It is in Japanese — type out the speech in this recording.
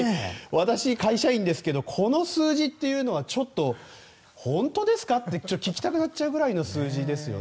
私、会社員ですけどこの数字というのはちょっと本当ですか？って聞きたくなっちゃうぐらいの数字ですよね。